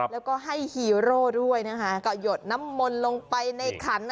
และให้ฮีโร่ด้วยขอหยดน้ำมนหลงไปในขัน